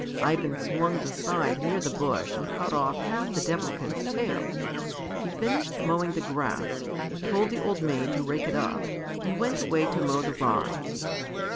Ivan swung the scythe near the bush and cut off half the Devilkin's tail. He finished mowing the grass, told the old maid to rake it up and went away to mow the rye.